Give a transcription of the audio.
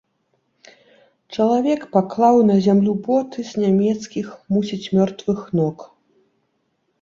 Чалавек паклаў на зямлю боты з нямецкіх, мусіць мёртвых, ног.